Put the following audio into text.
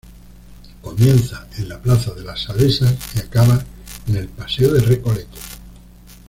Comienza en la plaza de las Salesas y acaba en el paseo de Recoletos.